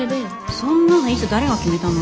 そんなのいつ誰が決めたの？